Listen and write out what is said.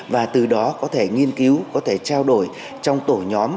và từ đó có thể nghiên cứu có thể trao đổi trong tổ nhóm